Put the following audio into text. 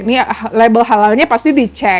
ini label halalnya pasti dicek